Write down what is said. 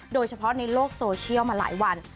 โดยเฉพาะในโลกโซเชียลมาหลายวัน